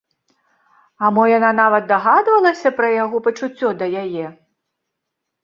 А мо яна нават дагадвалася пра яго пачуццё да яе?